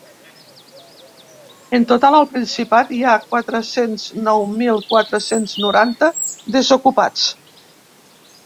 En total al Principat hi ha quatre-cents nou mil quatre-cents noranta desocupats.